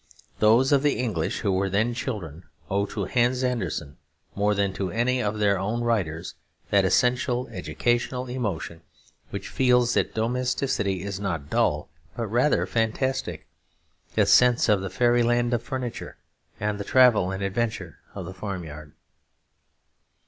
Those of the English who were then children owe to Hans Andersen more than to any of their own writers, that essential educational emotion which feels that domesticity is not dull but rather fantastic; that sense of the fairyland of furniture, and the travel and adventure of the farmyard.